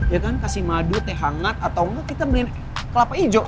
ya kan kasih madu teh hangat atau enggak kita beli kelapa hijau